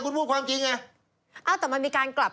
คืออย่างนี้ไม่ใช่ครับ